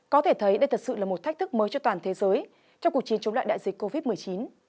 có thể thấy đây thật sự là một thách thức mới cho toàn thế giới trong cuộc chiến chống lại đại dịch covid một mươi chín